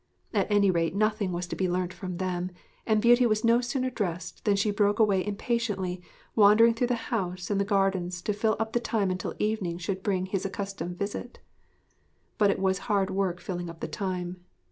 At any rate nothing was to be learnt from them, and Beauty was no sooner dressed than she broke away impatiently, wandering through the house and the gardens to fill up the time until evening should bring his accustomed visit. But it was hard work filling up the time.